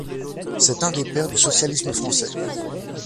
C'est un des pères du socialisme français.